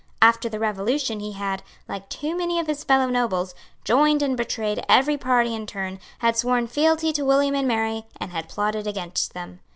After the Revolution he had, like too many of his fellow nobles, joined and betrayed every party in turn, had sworn fealty to William and Mary, and had plotted against them.